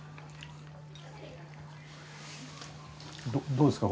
どうですか？